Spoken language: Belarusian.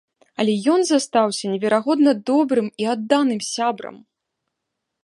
Але ён застаўся неверагодна добрым і адданым сябрам.